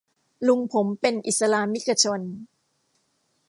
ลุงผมเป็นอิสลามิกชน